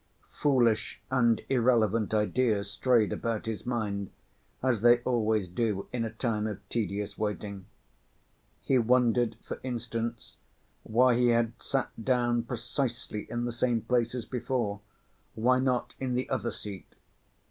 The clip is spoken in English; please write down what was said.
Foolish and irrelevant ideas strayed about his mind, as they always do in a time of tedious waiting. He wondered, for instance, why he had sat down precisely in the same place as before, why not in the other seat.